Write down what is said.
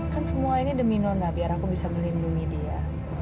kan semua ini demi nona biar aku bisa melindungi dia